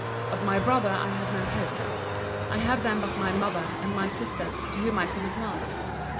Of my BROTHER I have no hope. I have then but my MOTHER, and my SISTER, to whom I can apply.